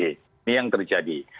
ini yang terjadi